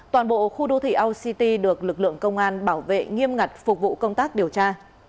toàn bộ khu đô thị our city được lực lượng công an bảo vệ nghiêm ngặt phục vụ công tác điều tra